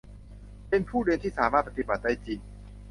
เป็นผู้เรียนที่สามารถปฏิบัติได้จริง